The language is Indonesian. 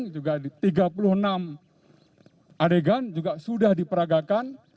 kemudian di tkp kedua yang di saguling juga tiga puluh enam adegan juga sudah diperagakan